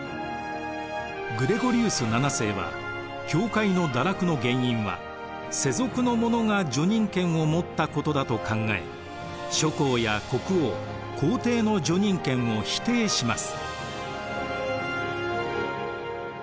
グレゴリウス７世は教会の堕落の原因は世俗の者が叙任権を持ったことだと考え諸侯や国王皇帝の叙任権を否定します。